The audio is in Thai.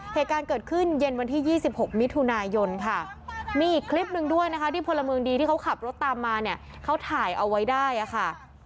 เหตุการณ์เกิดขึ้นเย็นวันที่๒๖มิถุนายนค่ะมีอีกคลิปหนึ่งด้วยนะคะที่พลเมืองดีที่เขาขับรถตามมาเนี่ยเขาถ่ายเอาไว้ได้ค่ะ